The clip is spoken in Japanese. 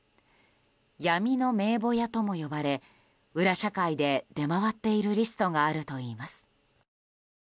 闇の名簿屋とも呼ばれ裏社会で出回っているリストがあるといいます。